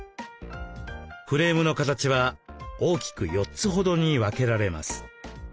フレームの形は大きく４つほどに分けられます。